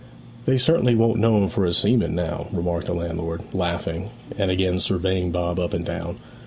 'They certainly won't know him for a seaman now,' remarked the landlord, laughing, and again surveying Bob up and down.